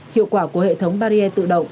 hiệu quả của hệ thống bariê tự động